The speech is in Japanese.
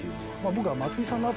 僕は。